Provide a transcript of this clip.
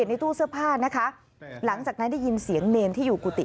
ในตู้เสื้อผ้านะคะหลังจากนั้นได้ยินเสียงเนรที่อยู่กุฏิ